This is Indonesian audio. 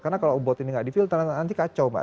karena kalau bot ini nggak di filter nanti kacau mbak